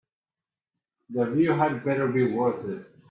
The view had better be worth it.